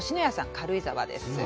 軽井沢です。